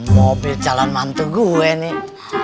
mobil jalan mantu gue nih